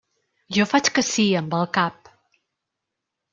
Jo faig que sí amb el cap.